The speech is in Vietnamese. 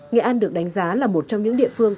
nghệ an được đánh giá là một trong những địa phương